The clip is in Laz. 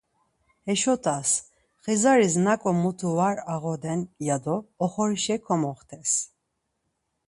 Heşo t̆as, xizaris nako mutu var ağoden ya do oxorişa komoxtes.